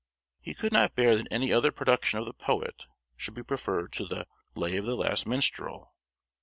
He could not bear that any other production of the poet should be preferred to the "Lay of the Last Minstrel."